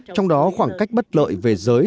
trong đó khoảng cách bất lợi về giới